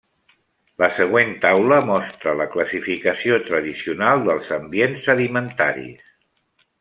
La següent taula mostra la classificació tradicional dels ambients sedimentaris.